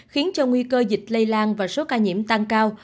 khiến cho nguy cơ dịch lây lan và số ca nhiễm tăng cao